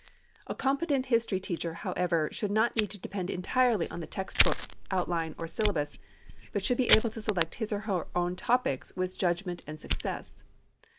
A competent history teacher, however, should not need to depend entirely on the text book, outline, or syllabus, but should be able to select his or her own topics with judgment and success.